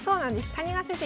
谷川先生